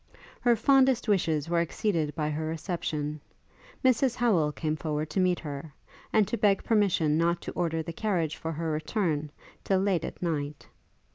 Her fondest wishes were exceeded by her reception. Mrs Howel came forward to meet her, and to beg permission not to order the carriage for her return, till late at night.